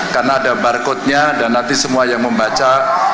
karena ada barcode nya dan nanti semua yang membaca